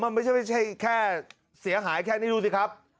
มันไม่ใช่แค่เสียหายแค่นี้ดูสิครับ